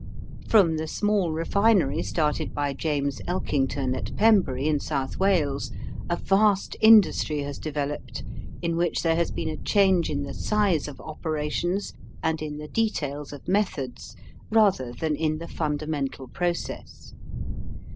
From the small refinery started by James Elkington at Pembury in South Wales, a vast industry has developed in which there has been a change in the size of operations and in the details of methods rather than in the fundamental process.